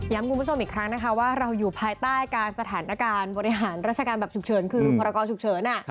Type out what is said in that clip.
คุณผู้ชมอีกครั้งนะคะว่าเราอยู่ภายใต้การสถานการณ์บริหารราชการแบบฉุกเฉินคือพรกรฉุกเฉิน